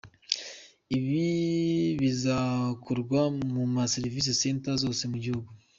Ibi bikazakorwa mu ma ‘Service Center’ zose mu gihugu.